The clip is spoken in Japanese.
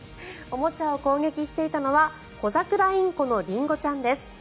おもちゃを攻撃していたのはコザクラインコのりんごちゃんです。